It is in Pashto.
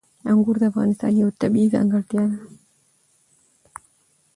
انګور د افغانستان یوه طبیعي ځانګړتیا ده.